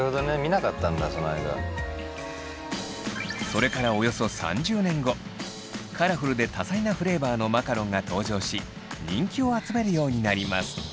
それからおよそ３０年後カラフルで多彩なフレーバーのマカロンが登場し人気を集めるようになります。